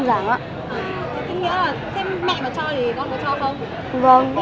thì con có cho không